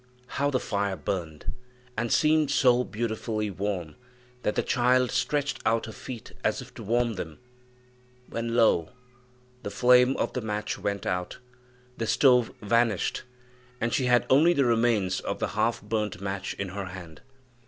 How the fire burned! and seemed so beautifully warm that the child stretched out her feet as if to warm them, when, lo! the flame of the match went out, the stove vanished, and she had only the remains of the half burnt match in her hand.